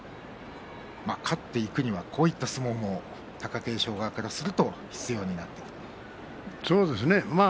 勝っていくにはこういった相撲も貴景勝側からするとそうですね。